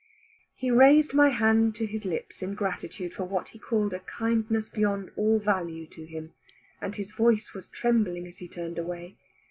He raised my hand to his lips in gratitude for what he called a kindness beyond all value to him, and his voice was trembling as he turned away.